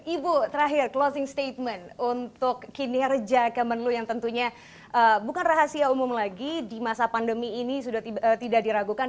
ibu terakhir closing statement untuk kinerja kemenlu yang tentunya bukan rahasia umum lagi di masa pandemi ini sudah tidak diragukan